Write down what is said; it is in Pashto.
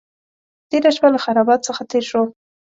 تېره شپه له خرابات څخه تېر شوم.